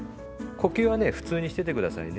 呼吸はね普通にしてて下さいね。